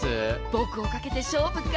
僕を懸けて勝負か。